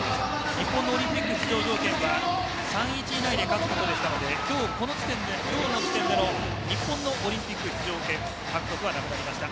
日本のオリンピック出場条件は３−１以内で勝つことだったので、この時点で日本のオリンピック出場権獲得はなくなりました。